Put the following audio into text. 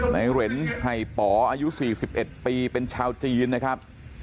ในเหรนไห่ป๋ออายุ๔๑ปีเป็นชาวจีนนะครับ